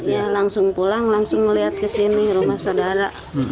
ya langsung pulang langsung melihat kesini rumah saudara